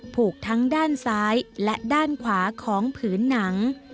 ผูกทั้งด้านซ้ายและด้านขวาของผืนหนัง